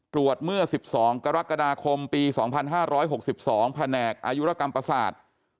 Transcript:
เมื่อ๑๒กรกฎาคมปี๒๕๖๒แผนกอายุรกรรมประสาท